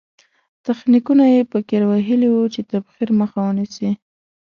تخنیکونه یې په کې وهلي وو چې تبخیر مخه ونیسي.